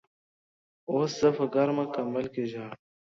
اوس زه په ګرمه کمبل کې ژاړم.